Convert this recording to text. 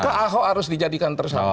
ke ahok harus dijadikan tersangka